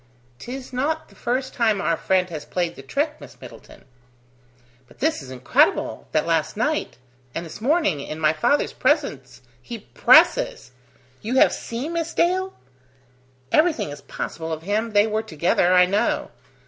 "'Tis not the first time our friend has played the trick, Miss Middleton." "But this is incredible, that last night ... and this morning, in my father's presence, he presses! ... You have seen Miss Dale? Everything is possible of him: they were together, I know.